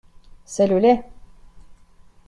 C’est le lait !…